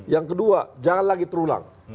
yang kedua jangan lagi terulang